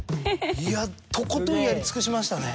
とことんやり尽くしましたね。